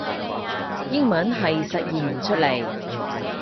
英文係實現唔出嚟